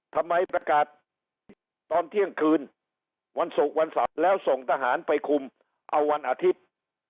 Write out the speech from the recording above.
ทำไมประกาศตอนเที่ยงคืนวันศุกร์วันเสาร์แล้วส่งทหารไปคุมเอาวันอาทิตย์